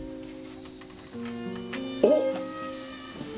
おっ！